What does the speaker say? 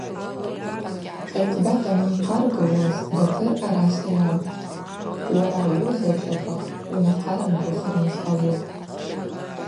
Айцӏба дангӏахъаргылуаз Батыр араса йалхӏвтӏ: Уара уыгӏвзачваква унахъарымгылхырныс ауыпӏ.